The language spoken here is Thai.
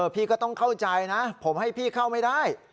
พี่ก็ต้องเข้าใจนะผมให้พี่เข้าไม่ได้